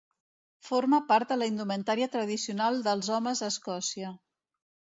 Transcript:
Forma part de la indumentària tradicional dels homes a Escòcia.